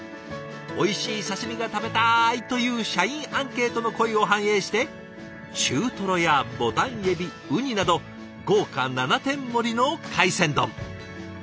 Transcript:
「おいしい刺身が食べたい！」という社員アンケートの声を反映して中トロやボタンエビウニなど豪華７点盛りの海鮮丼。